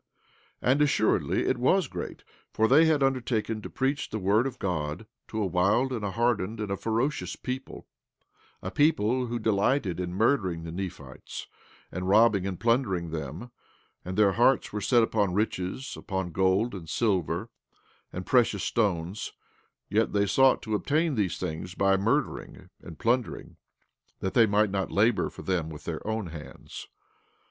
17:14 And assuredly it was great, for they had undertaken to preach the word of God to a wild and a hardened and a ferocious people; a people who delighted in murdering the Nephites, and robbing and plundering them; and their hearts were set upon riches, or upon gold and silver, and precious stones; yet they sought to obtain these things by murdering and plundering, that they might not labor for them with their own hands.